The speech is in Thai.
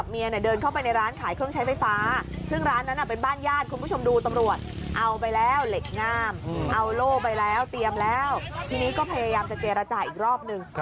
พี่ก็พยายามจะเจรจาอีกรอบหนึ่ง